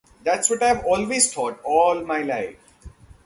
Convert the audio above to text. That's what I've always thought all my life.